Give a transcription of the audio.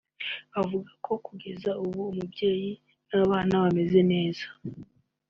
avuga ko kugeza ubu umubyeyi n’abana bameze neza